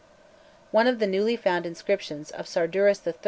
One of the newly found inscriptions of Sarduris III.